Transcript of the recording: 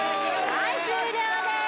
はい終了です